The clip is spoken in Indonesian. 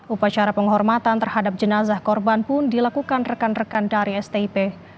upacara penghormatan terhadap jenazah korban pun dilakukan rekan rekan dari stip